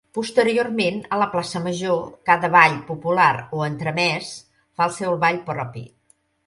Posteriorment a la Plaça Major cada ball popular o entremès fa el seu ball propi.